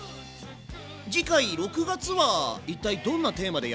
次回６月は一体どんなテーマでやるの？